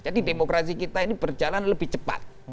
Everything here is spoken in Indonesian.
jadi demokrasi kita ini berjalan lebih cepat